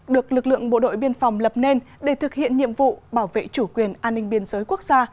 được lực lượng bộ đội biên phòng lập nên để thực hiện nhiệm vụ bảo vệ chủ quyền an ninh biên giới quốc gia